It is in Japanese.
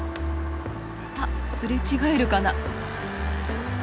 あっすれ違えるかな？